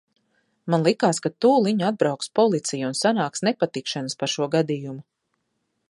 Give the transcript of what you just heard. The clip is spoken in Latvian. Man likās, ka tūliņ atbrauks policija un sanāks nepatikšanas par šo gadījumu.